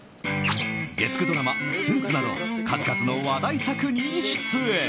月９ドラマ「ＳＵＩＴＳ／スーツ」など数々の話題作に出演。